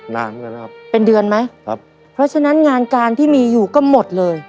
นานเหมือนกันนะครับเป็นเดือนไหมครับเพราะฉะนั้นงานการที่มีอยู่ก็หมดเลย